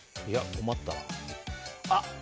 困ったな。